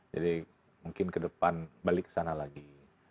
jadi mungkin ke depan balik ke sana lagi